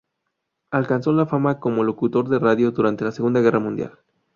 Alcanzó la fama como locutor de radio durante la Segunda Guerra Mundial.